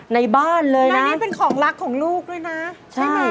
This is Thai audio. มารยุทธิ์นี่เป็นของรักของลูกเลยนะใช่ไหม